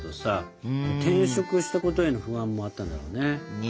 転職したことへの不安もあったんだろうね。